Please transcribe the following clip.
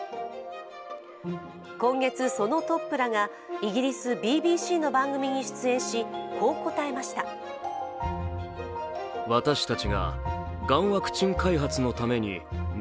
今月、そのトップらがイギリスＢＢＣの番組に出演しこう答えました。